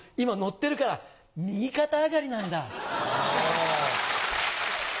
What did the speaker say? ッてるから右肩上がりなんだ。